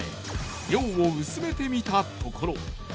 尿を薄めてみたところ。